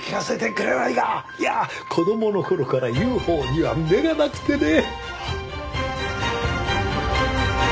いや子供の頃からＵＦＯには目がなくてね。